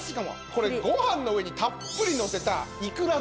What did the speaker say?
これご飯の上にたっぷりのせたいくら丼。